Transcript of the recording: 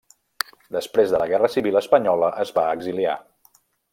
Després de la Guerra Civil Espanyola es va exiliar.